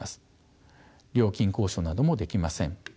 料金交渉などもできません。